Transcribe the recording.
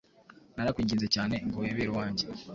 Narakwinginze cyanee ngo wibere uwange